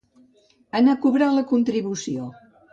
Anar a cobrar la contribució.